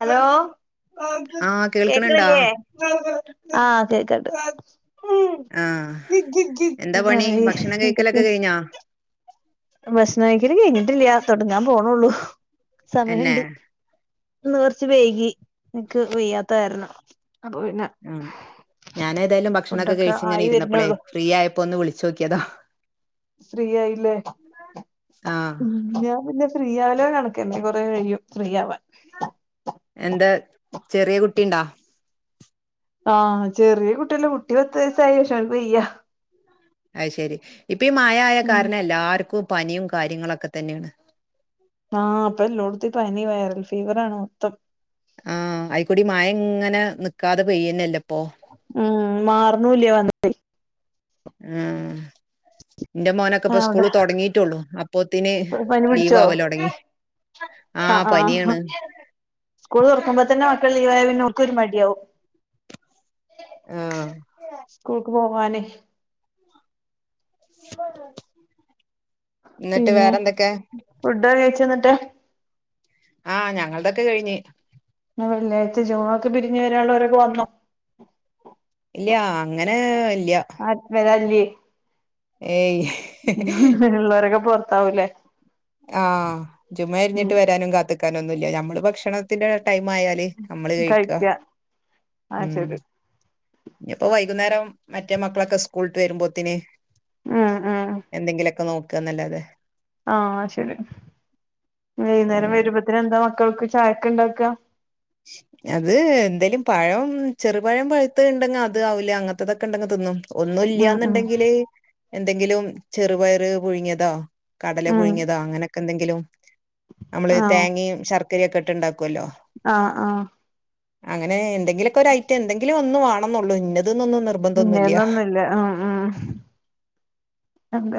Hello ആഹ് കേൾക്കണുണ്ടാ? കേക്കണലില്ലേ ആഹ് കേക്കണ്ട് ആഹ് എന്താ പണി പറയ് ഭക്ഷണം എന്തക്കെ വി കഴിക്കലൊക്കെ കഴിഞ്ഞാ? ഭക്ഷണം കഴിക്കല് കഴിഞ്ഞിട്ടില്ല തൊടങ്ങാൻ പോണള്ളു എന്നെ സമയണ്ട് ഇന്ന് കൊറച്ച് വൈകി എനിക്ക് വെയ്യാത്ത കാരണം അപ്പൊ പിന്നെ ആന് ഞാനേതായാലും ഭക്ഷണൊക്കെ ഫുഡൊക്കെ കഴിച്ച് ഇങ്ങനെ ആയി ഇരുന്നപ്പോളെ വരുന്നുള്ളൂ ഫ്രീ ആയപ്പോ ഒന്ന് വിളി ചോക്ക്യതാ ഫ്രീ ആയില്ലേ ആഹ് ഉം ഞാൻ പിന്നെ ഫ്രീയാവല് കണക്കെന്നെ കൊറെ കഴിയും ഫ്രീയാവാൻ എന്താ ചെറിയ കുട്ടി ഉണ്ടാ ആഹ് ചെറിയ കുട്ടില്ല കുട്ടി പത്ത് വയസായി പക്ഷേ അവൾക്ക് വയ്യ അയ് ശെരി ഇപ്പം മഴ ആയ ഉം കാരണം എല്ലാർക്കും പനിയും കാര്യങ്ങളൊക്കെ തന്നെയാണ് ആഹ് ഇപ്പ എല്ലോടത്തീ പനി വൈറൽ ഫീവറാണ് മൊത്തം ആഹ് അയിക്കൂടി മഴ ഇങ്ങനെ നിക്കാതെ പെയ്യന്നെല്ലേ ഇപ്പൊ ഉം മാറണൂല്ല വന്നിട്ടേ ആഹ് ഇന്റെ മോനൊക്കെ ഇപ്പ അവിടെ സ്കൂള് തുടങ്ങീട്ടുള്ളു അപ്പോത്തിന് പനി ലീവ് പിടിച്ചോ ആവല് തുടങ്ങി ആഹ് പനിയാണ് സ്കൂൾ തുറക്കുമ്പോ തന്നെ മക്കൾ ലീവായവ ഓർക്ക് ഒരു മടിയാവും ആഹ് സ്കൂൾക്ക് പോവാന് പറ പിന്നെ ഫുഡ് കഴിച്ചോ എന്നിട്ടേ ആഹ് ഞങ്ങളെതെക്കെ കഴിഞ്ഞ് വെള്ളാഴ്ച ജുമുഅ പിരിഞ് വരാനുള്ളവരൊക്കെ വന്നോ ഇല്ല അങ്ങനെ ഇല്ല ആരും വരാനില്ലേ ഏയ് ഉള്ളോരൊക്കെ പുറത്താകും ല്ലോ ആഹ് ജുമഅ ഉം തിരിഞ്ഞിട്ട് വരാനും കാത്ത് നിക്കാനും ഒന്നുമില്ല നമ്മള് ഭക്ഷണത്തിന്റെ ടൈം ആയാല് ല് നമ്മള് കഴിക്ക ആഹ് ഉം ശരി ഇഞ് ഇയിപ്പോ വൈകുന്നേരം മറ്റേ മക്കളൊക്കെ സ്കൂളിട്ട് വരുമ്പോത്തിന് ആഹ് ആഹ് എന്തെങ്കിലുമൊക്കെ നോക്ക എന്നല്ലാതെ ആഹ് ശരി വൈകുന്നേരം ഉം വരുമ്പോത്തനന് എന്താ മക്കൾക്ക് ചായക്ക് ഉണ്ടാക്കുക ശരി അത് എന്തെലും പഴം ചെറുപഴം പഴത്ത ഇണ്ടെങ്കിൽ അത് അവില് അങ്ങനത്തെതൊക്കെ ഉണ്ടെങ്കിൽ തിന്നും ഒന്നും ഉം ഉം ഇല്ലന്നുണ്ടെങ്കില് എന്തെങ്കിലും ചെറുപയറ് പുഴിഞ്ഞിയതെ കടല ഉം പുഴുങ്ങിയതോ അങ്ങനൊക്കെ എന്തെങ്കിലും നമ്മള് ആഹ് തേങ്ങയും ശർ ര ഒക്കെ ഇട്ട് ഇണ്ടാക്കല്ലോ ആഹ് ആഹ് അങ്ങനെ എന്തെങ്കിലൊക്കെ ഒരു ഐറ്റം എന്തെങ്കിലും ഒന്ന് വാണം എന്നള്ളു ഇന്ന അതൊന്നൊന്നും നിർബന്ധം ഒന്നുമില്ല ഇന്നേന്നൊന്നുല്ല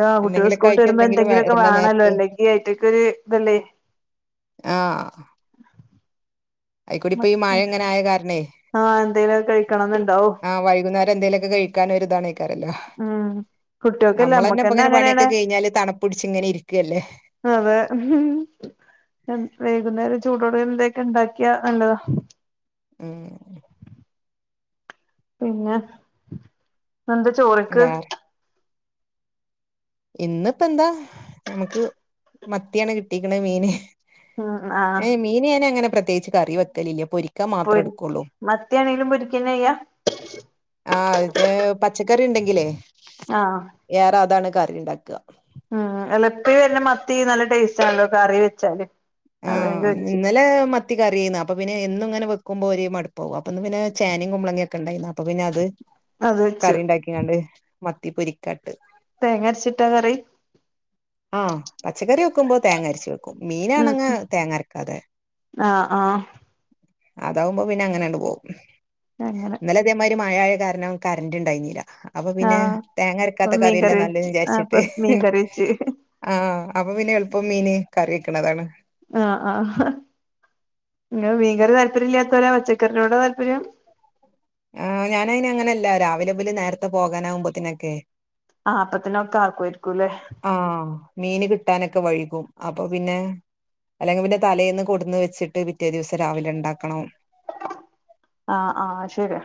ആ കുട്ടികൾ സ്കൂളട്ട് ആയിട്ട് വരുമ്പോ എന്തെങ്കിലും എന്തെങ്കിലുമൊക്കെ വര്ണ വേണമല്ലോ നേരത്ത് അല്ലെങ്കി അയിറ്റക്കൊ ഒരു ഇതല്ലേ ആഹ് അയിക്കൂടി ഇപ്പൊ ഈ മഴ എങ്ങനെ ആയ കാരണേ ആഹ് എന്തേലും കഴിക്കണംന്നുണ്ടാവും ആ വൈകുന്നേരം എന്തേലൊക്കെ കഴിക്കാൻ ഒരു ഇതാണ് ആയ്ക്കാരല്ലോ ഉം കുട്ടികൾക്കല്ല നമ്മള് തന്നെ ഇപ്പ നമ്മക്കന്നെ ഇങ്ങനെ പണിയൊക്കെ അങ്ങനെയാണ് കഴിഞ്ഞാല് തണുപ്പ് പിടിച്ച് ഇങ്ങനെ ഇരിക്കുവല്ലേ അതെ വൈകുന്നേരം ചൂടോട എന്തൊക്കെ ഉണ്ടാക്കിയാ നല്ലതാ ഉം പിന്നെ എന്താ ചോറിക്ക് വേറെ ഇന്നിപ്പെന്താ ഞമ്മക്ക് മത്തിയാണ് കിട്ടിക്ക്ണ് മീന് ഉം ആഹ് ഏഹ് മീന് ഞാനങ്ങനെ പ്രത്യേകിച്ച് കറി വെക്കലില്ല പൊരി പൊ മത്തിയാണെങ്കിലും പൊരിക്കന്നെയ്യാ. ആഹ് അതെ പച്ചക്കറി ഇണ്ടെങ്കിലേ ആഹ് ഏറെ അതാണ് കറി ഇണ്ടാക്കാ ഉം എലപ്പി വര്ണ മത്തി നല്ല ടേസ്റ്റ് ആണല്ലോ കറി വെച്ചാല് അത് ഞാൻ ആഹ് ചോദിച്ചു ഇന്നലെ മ ത്തി കറിയേന്നു, അപ്പൊ പിന്നെ എന്നും ഇങ്ങനെ വെക്കുമ്പോ ഒര് മടുപ്പാവും അപ്പൊ ഇന്ന് പിന്നെ ചേനയും കുമളങ്ങയും ഒക്കെണ്ടായിന്നു, അപ്പൊ പിന്നെ അത് അത് വെച്ചു കറി ഇണ്ടാക്കിങ്ങാണ്ട് മത്തി പൊരിക്കാട്ട് തേങ്ങ അരച്ചിട്ടാ കറി ആഹ് പച്ചക്കറി വെക്കുമ്പോ തേങ്ങരച്ച് വെക് ഉം മീനാണങ്ങേ തേങ്ങരക്കാതെ ആഹ് ആഹ് അതാവുമ്പോ പിന്നെ അങ്ങനെയാണ്ട് പോവും അങ്ങനെ ഇന്നലെ ഇതേ മാരി മഴയായ കാരണം കറന്റ് ഇണ്ടായിന്നില്ല. അപ്പൊ പിന്നെ ആഹ് തേങ്ങ അപ്പൊ അരക്കാത്ത കറിയല്ലെ മീൻകറി വെച്ച് നല്ലേന്ന് അപ്പൊ വിചാരിച്ചിട്ട് മീൻകറി വെച്ച് ആഹ് അപ്പൊ പിന്നെ എള്പ്പം മീന് കറി വെക്കണതാണ്. ആഹ് ആഹ് ഇങ്ങള് മീൻങ്കറി താല്പര്യല്ലാത്തോരാ, പച്ചക്കറിനോടാ താല്പര്യം. ആഹ് ഞാനൈന് അങ്ങനെല്ല രാവിലെബല് നേരത്തെ പോകാനാവുമ്പോത്തിനൊക്കെ ആഹ് അപ്പോത്തന്നെ ഒക്കെ ആക്ക്വേർക്കും ലേ ആഹ് മീന് കിട്ടാനൊക്കെ വൈകും അപ്പൊ പിന്നെ അല്ലെങ്കി പിന്നെ തലേന്ന് കൊട്ന്ന് വെച്ചിട്ട് പിറ്റേ ദിവസം രാവിലെ ഇണ്ടാക്കണം. ആഹ് ആഹ് ശെരിയാ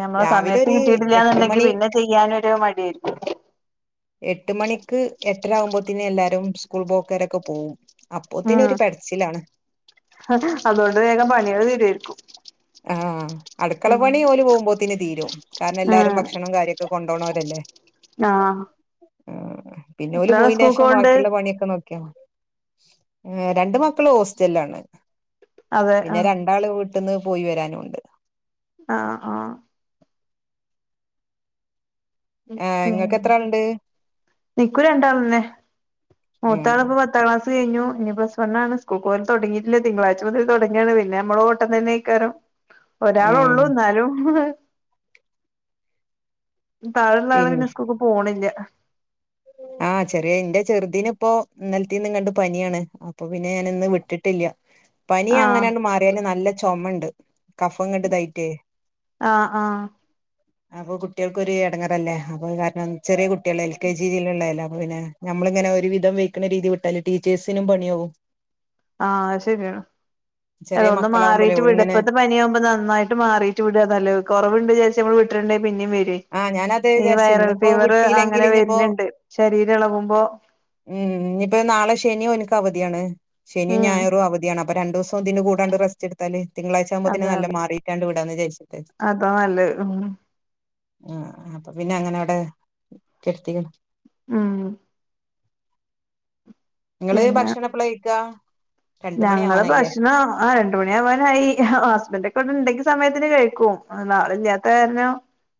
ഞമ്മളെ രാവിലെ സമയത്ത് ഒരു എട്ട് കിട്ടിട്ടില്ലാന്നിണ്ടെങ്കി മണി പിന്നെ ചെയ്യാനൊരു മടിയായിരിക്കും എട്ടുമണിക്ക് എട്ടര ആവുമ്പോത്തിന് എല്ലാരും സ്കൂൾ പോക്കാരൊക്കെ പോവും. അപ്പോത്തിനൊരു പെടച്ചിലാണ് അതോണ്ട് വേഗം പണികള് തീരുവേരിക്കും ആഹ് അടുക്കളപ്പണി ഓല് പോകുമ്പോത്തിന് തീരും, കാരണം എല്ലാരും ഉം ഭക്ഷണം കാര്യൊക്കെ കൊണ്ടോണോലല്ലേ ആഹ് പിന്നെ ഓല് എത്രയാള് പോയേൻ്റേ ശേഷം സ്കൂൾക്കോവ്ണ്ട് ബാക്കിള്ള പണിയൊക്കേ നോക് [unintelligible] ഏഹ് രണ്ട് മക്കള് ഹോസ്റ്റല്ലാണ് അതെ പിന്നെ ആഹ് ര ഒരാള് വീട്ട്ന്ന് പോയി വരാനുണ്ട് ആഹ് ആഹ് ആഹ് ഇങ്ങക്കെത്രാള്ണ്ട് ഇൻക്കൂ രണ്ടാളന്നെ ഉം മൂത്താളിപ്പം പത് പത്താ ക്ലാസ് കഴിഞ്ഞു ഇനി പ്ലസ് വണ്ണാണ്, സ്കൂൾക്ക് പോവല് തൊടങ്ങീട്ടില്ല, തിങ്കളാഴ്ച മുതല് തൊടങ്ങാണ് പിന്നെമ്മള് ഓട്ടം തന്നെയ്ക്കാരം ഉം ഒരാളൊള്ളൂ ഇന്നാലും താഴെള്ളാള് പിൻ പിന്നെ സ്കൂക്ക് പോണില്യ ആഹ് ചെറിയ ഇന്റെ ചെർതിനിപ്പൊ ഇന്നൽത്തീന്ന്ങ്ങട്ട് പനിയാണ് അപ്പൊ പിന്നെ ഞാനിന്ന് വിട്ടിട്ടില്ല പനി ആഹ് അങ്ങനാണ്ട് മാറിയാന് അതിന് നല്ല ചൊമണ്ട് കഫം ഇങ്ങട് ഇതായിട്ടെ ആഹ് ആഹ് അപ്പൊ കുട്യൾക്കൊര് എടങ്ങറല്ലേ അപ്പൊ കാരണം ചെറിയ കുട്യള എൽ കെ ജി രീതിയില്ള്ളേല്ലെ അപ്പ പിന്നെ നമ്മളിങ്ങനെ ഒരു വിധം വെയ്ക്ക്ണ രീതി വിട്ടാല് ടീച്ചേഴ്സിനും പണിയാവും ആഹ് അത് ശെരിയാ അല്ല ചെറിയ ഒന്ന് മക്കളാവുമ്പളേ മാറീട്ട് വിടാ ഓലിങ്ങനെ ഇപ്പത്തെ പനിയാവുമ്പോ ന നന്നായിട്ട് മാറീട്ട് വിടാ നല്ലെ കൊറവിണ്ട് വിചാരിച്ച് നമ്മള് വിട്ടിട്ട്ണ്ടേ പിന്നിം വെരെ ആഹ് ഞാനതേ ഈ വിചാരിച്ച് വൈറൽ ഇന്നിപ്പോ ഫീവറ് അങ്ങനെ വിട്ടിയില്ലെങ്കില് ഇനിയിപ്പോ വര്ന്ണ്ട് ശരീരം എളകുമ്പോ ഉം ഇഞ്ഞിപ്പോ നാളെ ശെനിയും ഓൻക്ക് അവധിയാണ് ശെനിയും ഉം ഞായറും അവധിയാണ് അ അപ്പ രണ്ടൂസം ഇതിന്റെ കൂടാണ്ട് റെസ്റ്റ്ട്ത്താല് തിങ്കളാഴ്ചാവുമ്പോത്തിന് അതെ അതെ നല്ലോം മാറീട്ടാണ്ട് വിടാന്ന് വിചാരിച്ച്ട്ട്. അതാ നല്ലെ ഉം. ആഹ് അപ്പൊ പിന്നെ അങ്ങനെ അവിടെ കെടത്തീക്ക്ണ്. ഊം. ഇങ്ങള് പിന്നെ ഭക്ഷണെപ്പളാ കഴിക്കാ? രണ്ട് മണി ഞങ്ങള് ആവാനായില്ലേ ഭക്ഷണം ആഹ് രണ്ടു മണിയാവാനായി. ഹസ്ബൻ്റൊക്കെ ഇവിടെണ്ടെങ്കി സമയത്തിന് കഴിക്കും. ആളില്ലാത്ത കാര്ണം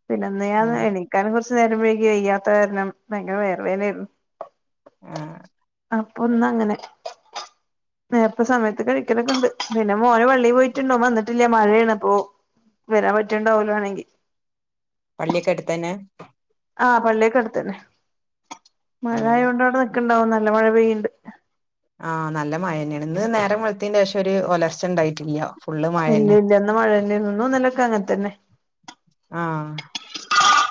പിന്നെ ഇന്ന് ആ ഞാൻ എണീക്കാനും കൊർച്ച് നേരം വെയ്കി വയ്യാത്ത കാരണം. ഭയങ്കര വയറ് വേനായിരുന്നു. ആ അപ്പൊ ഇന്നങ്ങനെ നേര്ത്തെ സമയത്ത് കഴിക്കലൊക്കെണ്ട്. പിന്നെ മോന് പള്ളീ പോയിട്ട്ണ്ട്. ഓൻ വന്നിട്ടില്ല മഴയേണ് അപ്പോ വരാൻ പറ്റീണ്ടാവൂല വേണെങ്കി പള്ള്യൊക്കെ അട്ത്തന്നെ? ആഹ് പള്ള്യൊക്കെ അട്ത്തന്നെ. ആ മഴയായോണ്ട് അവിടെ നിക്ക്ണ്ടാവും നല്ല മഴ പെയ്യ്ണ്ട്. ആഹ് നല്ല മഴന്നേണ്. ഇന്ന് നേരം വെൾത്തേന്റേഷം ഒരു ഒലർച്ചണ്ടായിട്ടില്ല. ഇല്ലില്ല ഇന്ന് മഴേന്നേനു. ഇന്നു ഇന്നലൊക്കെ അങ്ങൻതന്നെ. ആഹ്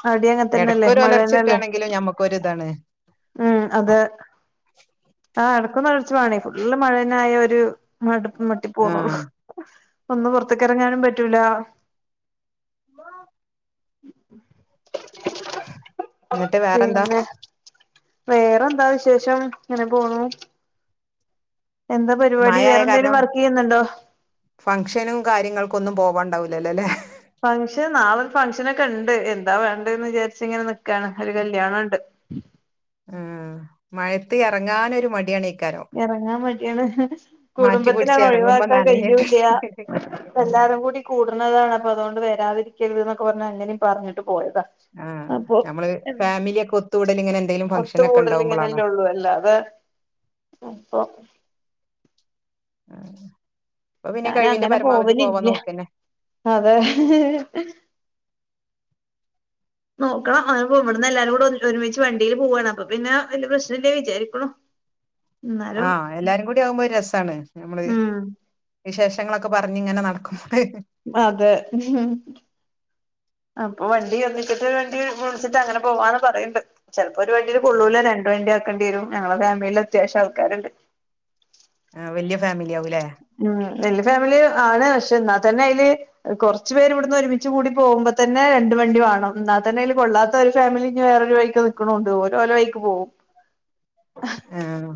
അവിടെ അങ്ങനെ തന്നെയല്ലേ എടക്കൊരു മഴ തന്നെയല്ലേ ഒലർച്ചട്ടാണെങ്കിലും ഞമ്മക്കൊര്താണ്. ഉം അതെ ആഹ് എടക്കൊന്നൊലർച്ച വേണേ. ഫുള്ള് മഴന്നെ ആയാ ഒരു മടുക്കും മട്ടി ആ പോന്നേള്ളു. ഒന്ന് പൊറത്ത്ക്ക് എറങ്ങാനും പറ്റൂല്ലാ ഉമ്മാ? എന്നിട്ട് വേറെന്താ പിന്നെ? വേറെന്താ വിശേഷം, ഇങ്ങനെ പോണു. എന്താ പരിപാടി? മഴയായ വേറെ എന്തേലും കാരണം വർക്ക് ചെയ്യ്ന്നൊണ്ടോ? ഫംഗ്ഷനും കാര്യങ്ങൾക്കൊന്നും പോവാൻ ഇണ്ടാവൂല്ലാലോ അല്ലേ? ഫങ്ഷൻ, നാളെയൊരു ഫംഗഷനൊക്കെ ഇണ്ട്. എന്താ വേണ്ടേന്ന് വിചാരിച്ച് ഇങ്ങനെ നിക്കാണ്. ഒരു കല്ല്യാണണ്ട്. ഊം മഴയത്ത് എറങ്ങാനൊര് മടിയാണെ. എറങ്ങാൻ മടിയാണ്. മാറ്റി പിടിച്ച് കുടുംബത്തിലാണ്, എറങ്ങുമ്പോ ഒഴിവാക്കാൻ കഴിയൂല്ലാ. നനഞ്ഞിട്ട് എല്ലാരും കൂടി കൂടണതാണ്. അപ്പ അതോണ്ട് വെരാതിരിക്കരുത് ന്നൊക്കെ പറഞ്ഞ് അങ്ങനെ പറഞ്ഞിട്ട് പോയതാ. ആഹ് അപ്പൊ, നമ്മള് ഫാമിലി ഒക്കെ ഒത്തുകൂടൽ ഇങ്ങനെ എന്തെങ്കിലും ഒത്ത് ഫംഗ്ഷൻ ഒക്കെ കൂടല് ഉണ്ടാവുമ്പോളാണോ ഇങ്ങനെയല്ലെ ഉള്ളൂ. അല്ലാതെ അപ്പൊ ആഹ് അപ്പൊ പിന്നെ ഞാൻ കഴിവിന്റെ അങ്ങനെ പരമാവധി പോവാൻ പോവലില്ല നോക്കന്നെ. അതെ നോക്കണം. അതിപ്പോ ഇവടന്ന് എല്ലാരും കൂടെ ഒരു ഒരുമിച്ച് വണ്ടിയില് പോവാണ്. അപ്പോപ്പിന്നെ വല്ല്യ പ്രശ്നം ഇല്ലേ വിചാരിക്കണു. എന്നാലും ആഹ് എല്ലാരും കൂടി ആവുമ്പോ ഒര് രെസാണ്. ഞമ്മള് ഉം വിശേഷങ്ങളൊക്കെ പറഞ്ഞ് ഇങ്ങനെ നടക്കും അതെ അപ്പൊ വണ്ടി ഒന്നിച്ചിട്ട് വണ്ടി വിളിച്ചിട്ട് അങ്ങനെ പോവാന്ന് പറയ്ണ്ട്. ചെലപ്പോ ഒര് വണ്ടില് കൊള്ളൂല്ല, രണ്ട് വണ്ടി ആക്കണ്ടി വെരും. ഞങ്ങളെ ഫാമിലീല് അത്യാവശ്യം ആൾക്കാര്ണ്ട്. ആഹ് വല്ല്യ ഫാമിലിയാവൂലെ? ഉം. വല്ല്യ ഫാമിലി ആണ്. പശ്ശേ എന്നാ തന്നെ അയില് കൊറച്ച് പേര് ഇവ്ട്ന്ന് ഒരുമിച്ച് കൂടി പോകുമ്പോ തന്നെ രണ്ട് വണ്ടി വാണം. എന്നാ തന്നെ അയില് കൊള്ളാത്ത ഒര് ഫാമിലി ഇനി വേറൊരു വഴിക് തേക്കൊണോണ്ട്. ഓരോ ഓരോ വയിക്ക് പോവും. ആഹ്.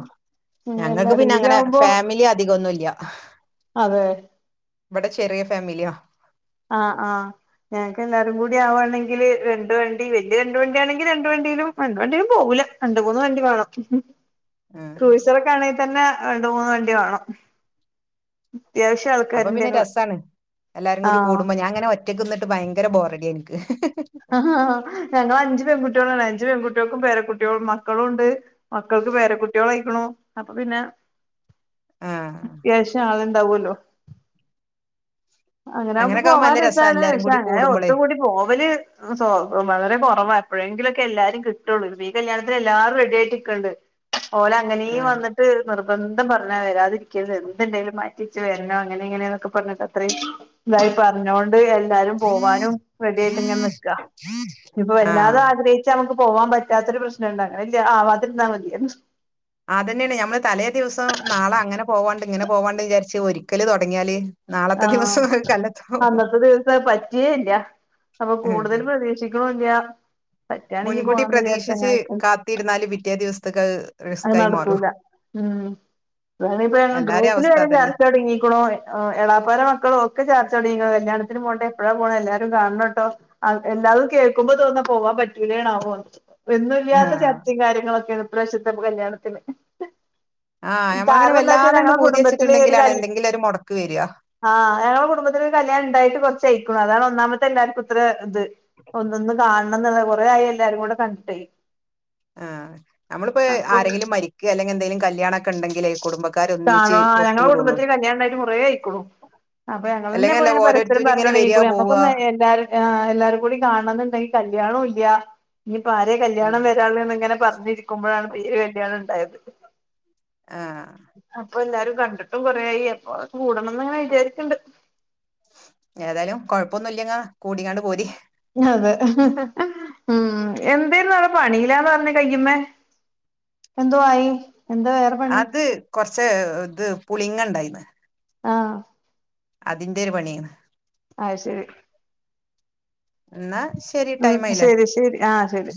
ഞങ്ങക്ക് എല്ലാരും പിന്നെ കൂടി അങ്ങനെ ഫാമിലി അധികൊന്നും ഇല്ല. അതേ. ഇവടെ ചെറിയ ഫാമിലിയാ. ആഹ് ആഹ്. ഞങ്ങക്ക് എല്ലാരും കൂടി ആവാണെങ്കില് രണ്ട് വണ്ടി വല്ല്യ രണ്ട് വണ്ടി ആണെങ്കി രണ്ട് വണ്ടിയിലും രണ്ട് വണ്ടീലും പോവൂല്ല. രണ്ട് മൂന്ന് വണ്ടി വേണം. ഉം [unintelligible] ആണെങ്കി തന്നെ രണ്ട് മൂന്ന് വണ്ടി വേണം അത്യാവിശ്യം അപ്പൊ ആൾക്കാര് ഇണ്ട് പിന്നെ ഞങ്ങള് രസാണ് എല്ലാരും കൂടി ആഹ് കൂടുമ്പോ ഞാൻ അങ്ങനെ ഒറ്റയ്ക്ക് നിന്നിട്ട് ബയങ്കര ബോറടിയ എനിക്ക് ഞങ്ങള് അഞ്ച് പെൺകുട്ടികളാണ് അഞ്ച് പെൺകുട്ടികള്ക്കും പേരക്കുട്ടികളും മക്കളും ഒണ്ട് മക്കൾക്ക് പേര കുട്ടികളായിക്കാണു അപ്പൊ പിന്നെ ആഹ് അത്യാവിശ്യം ആള് ഇണ്ടാവുല്ലോ അങ്ങനെ നമുക്ക് അങ്ങനൊക്കെ ആകുമ്പോ പോവാ നല്ല രസാ രസാണ് എല്ലാരും പശേ കൂടി അങ്ങനെ കൂടുമ്പളേ ഒത്തുകൂടി പോവല് മ് സൊ വളരെ കൊറവാ എപ്പോഴെങ്കിലോക്കെ എല്ലാരും കിട്ടോള്ളൂ ഈ കല്യാണത്തിന് എല്ലാരും റെഡിയായിട്ട് ഇക്ക് ഇണ്ട് ഓല് അങ്ങനേ ആഹ് വന്ന് നിർബന്ധം പറഞ്ഞാ വേരാതിരിക്കാല്ല് എന്ത് ഇണ്ടേലും മാറ്റി വെച്ച് വരണോ അങ്ങനെ ഇങ്ങനെയന്നൊക്കെ പറഞ്ഞിട്ട് അത്ര ഇതായി പറഞ്ഞൊണ്ട് എല്ലാരും പോവാനും റെഡിയായിട്ട് ഇങ്ങനെ നിക്കാ ഇപ്പൊ വല്ലാത ആഹ് ആഗ്രഹിച്ച് നമ്മക്ക് പോവാൻ പറ്റാത്ത ഒര് പ്രശ്ന് ഇണ്ട് അങ്ങനെ ഇല്ല ആവതിര്ന്നാ മതിയാരുന്നു അതന്നെയാണ് ഞമ്മള് തലേ ദിവസം നാളെ അങ്ങനെ പോവാണ്ട് ഇങ്ങനെ പോവാണ്ട് വിചാരിച്ച് ഒരിക്കല് തൊടങ്ങിയാല് നാളത്തെ ആഹ് ദിവസം അത് കല്ലത്താവും അന്നത്തെ ദിവസം പറ്റയേ ഇല്ല അപ്പൊ ഉം കൂടുതല് പ്രതീക്ഷിക്ക് തും ഇല്ല്യാ മുൻകൂട്ടി പ്രതീക്ഷിച്ച് കാത്ത് ഇര്ന്നാല് പിറ്റേ ദിവസത്തെക്ക് അത് നട്ക്കൂല ഉം താണ്പ്പെങ്ങളെ എല്ലാരേം ഗ്രൂപ്പല് അവസ്ഥ വരെ അതന്നെ ചർചൊട്ങ്ങിക്കണോ എളാപ്പാന്റെ മക്കളും ഒക്കെ ചാർച്ചോട് ങ്ങീക്കണ് കല്യാത്തിന് പോണ്ടെ എപ്പെഴാ പോണെ എല്ലാരും കാണണട്ടോ എല്ലാതും കേൾക്കുമ്പോ തോന്നാ പോവാ പറ്റൂലെന്നാവോ [unintelligible] ഒന്നുല്ലാത്ത ആഹ് ചർചെക്കാര്യങ്ങളൊക്കെയാണ് ഇപാവശ്യത്തെ കല്യാണത്തിന് ആ ഞമ്മളങ്ങനെ കാരണം എന്താ വെച്ചാ വല്ലാതെണ്ട് ഞങ്ങളെ പൂതി കുടുംബത്തില് ഒരു ച്ചിട്ട്ണ്ടെങ്കിലാണ് കല് ന്തെങ്കിലും ഒര് മൊടക്ക് വരാ ആഹ് ഞങ്ങള കുട്ബത്തില് ഒരു കല്യാണം ണ്ടായിട്ട് കുറച്ച്യയിക്കണ് അതാണ് ഒന്നാമത്തെല്ലാർക്കും അത്രത് ഒന്നൊന്ന് കാണണം ന്നുള്ള കൊറേ ആയി എല്ലാരും കൂടെ കണ്ടിട്ടേ ആഹ് നമ്മളിപ്പോ അപ്പൊ ആരെങ്കിലും മരിക്കെ അല്ലെങ്കില് എന്തെലും കല്യാണൊക്കെ ണ്ടെങ്കിലേ കുടുംബക്കാരൊന്നിച്ച് ഒത്തൂടൊള്ളൂ. റ്റ് കൊറേ ആയിക്ക്ണു അപ്പ ഞങ്ങളെന്നെ അല്ലെങ്കിൽ അല്ല പോയാ പരസ്പരം ഓരോരുത്തര് ഇങ്ങനെ വരിക പറഞ്ഞോയീക്കണ് പോവുക നമ്മെക്കൊന്നു എല്ലാരെ ആ എല്ലാർകൂടി കാണണം ന്നുണ്ടെങ്കി കല്യാണോല്യ ഞ്ഞിപ്പോ ആരെ കല്യാണം വരാള്ളെന്ന് ങ്ങനെ പറഞ്ഞിര്ക്ക വല്യ കല്യാണണ്ടായത് ആഹ് പ്പൊല്ലാരും കണ്ടിട്ടും കൊറേയി എപ്പോ കൂടണംന്ന്ങ്ങനെ വിചാരിക്ക്ണ്ട്. ഏതായാലും കുഴപ്പൊന്നുല്ലങ്ങാ കൂടിയാണ്ട് പോരി അതെ ഉം എന്തേന്നു അടെ പണില്ലാന്ന് പറഞ്ഞെ കയ്യ്മ്മേ എന്തൊ ആയി എന്ത വേറെ പണി അത് കൊർച്ച് ത് പുളിങ്ങണ്ടായിന്ന് ആഹ് അതിന്റെ ഒരു പണിയേന്ന് അത് ശരി ന്നാ ശെരി ഉം ടൈമായിലേ ശരി ശരി ആഹ് ശരി